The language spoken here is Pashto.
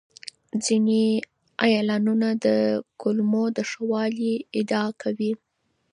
ځینې اعلانونه د کولمو د ښه والي ادعا کوي.